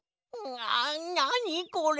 ななにこれ！？